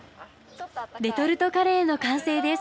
レトルトカレーの完成です。